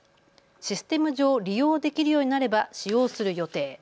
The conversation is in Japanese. システム上、利用できるようになれば使用する予定。